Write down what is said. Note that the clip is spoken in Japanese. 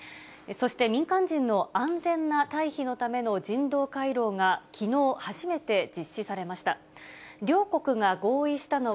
そして民間人の安全な退避のための人道回廊が、きのう初めて実施されました。